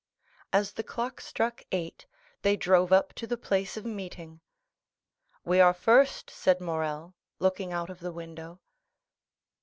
As the clock struck eight they drove up to the place of meeting. "We are first," said Morrel, looking out of the window.